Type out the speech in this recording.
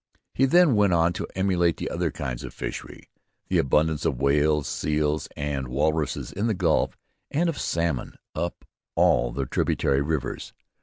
He then went on to enumerate the other kinds of fishery, the abundance of whales, seals, and walruses in the Gulf, and of salmon up all the tributary rivers.